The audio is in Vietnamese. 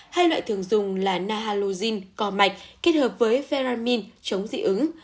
hai loại thường dùng là nahaloxin co mạch kết hợp với ferramin chống dị ứng